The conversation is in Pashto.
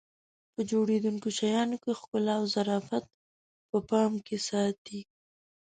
په جوړېدونکو شیانو کې ښکلا او ظرافت په پام کې ساتي.